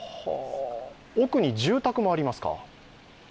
奥に住宅もありますか。